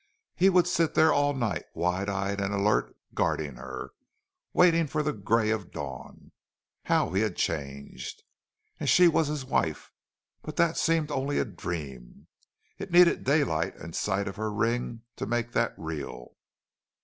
He would sit there all night, wide eyed and alert, guarding her, waiting for the gray of dawn. How he had changed! And she was his wife! But that seemed only a dream. It needed daylight and sight of her ring to make that real.